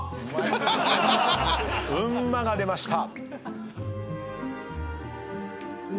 「うんま！」が出ました。